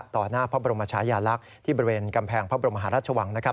หน้าพระบรมชายาลักษณ์ที่บริเวณกำแพงพระบรมหาราชวังนะครับ